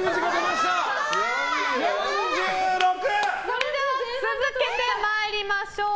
それでは続けて参りましょう。